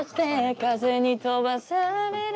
「風に飛ばされる欠片に」